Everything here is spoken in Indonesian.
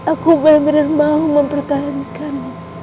aku bener bener mau mempertahankan